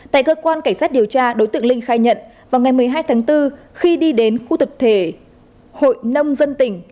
tại cơ quan cảnh sát điều tra đối tượng linh khai nhận vào ngày một mươi hai tháng bốn khi đi đến khu tập thể hội nông dân tỉnh